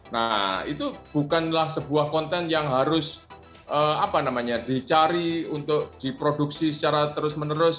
nah itu bukanlah sebuah konten yang harus dicari untuk diproduksi secara terus menerus